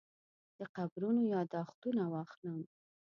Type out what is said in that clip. د قبرونو یاداښتونه واخلم.